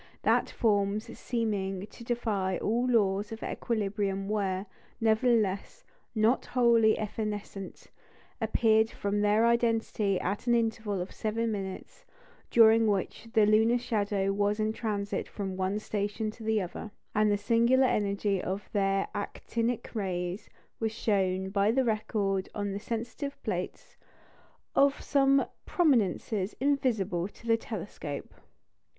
That forms seeming to defy all laws of equilibrium were, nevertheless, not wholly evanescent, appeared from their identity at an interval of seven minutes, during which the lunar shadow was in transit from one station to the other; and the singular energy of their actinic rays was shown by the record on the sensitive plates of some prominences invisible in the telescope.